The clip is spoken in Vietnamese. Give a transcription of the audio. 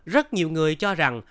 rất nhiều người cho rằng